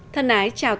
thân ái chào tạm biệt